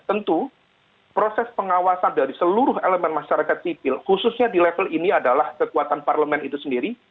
tentu proses pengawasan dari seluruh elemen masyarakat sipil khususnya di level ini adalah kekuatan parlemen itu sendiri